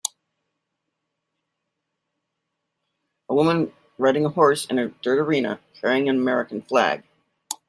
A woman riding a horse in a dirt arena, carrying an American flag.